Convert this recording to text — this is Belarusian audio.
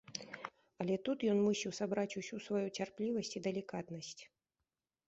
Але тут ён мусіў сабраць усю сваю цярплівасць і далікатнасць.